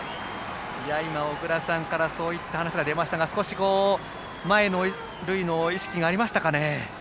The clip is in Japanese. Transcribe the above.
小倉さんからそういった話が出ましたが少し前の塁の意識がありましたかね。